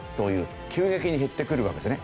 急激に減ってくるわけですね。